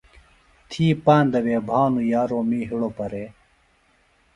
تھی پندہ وے بھانوۡ یارو می ہِڑوۡ پرے۔